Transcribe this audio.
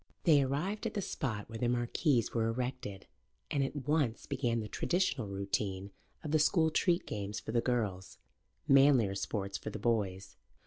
They arrived at the spot where the marquees were erected, and at once began the traditional routine of the school treat games for the girls, manlier sports for the boys.